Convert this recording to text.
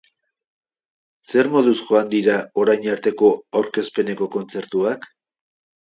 Zer moduz joan dira orain arteko aurkezpeneko kontzertuak?